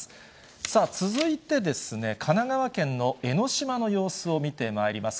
さあ、続いてですね、神奈川県の江の島の様子を見てまいります。